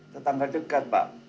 tetangga dekat pak